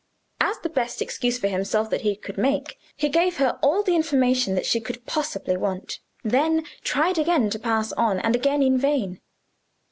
As the best excuse for himself that he could make, he gave her all the information that she could possibly want then tried again to pass on and again in vain.